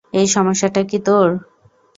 এই, সমস্যাটা কী তোর?